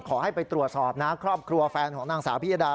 ขอให้ไปตรวจสอบนะครอบครัวแฟนของนางสาวพิยดา